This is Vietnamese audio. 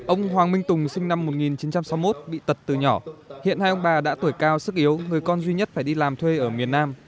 ông hoàng minh tùng sinh năm một nghìn chín trăm sáu mươi một bị tật từ nhỏ hiện hai ông bà đã tuổi cao sức yếu người con duy nhất phải đi làm thuê ở miền nam